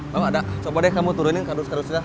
gak gak coba deh kamu turunin ke arus arus kita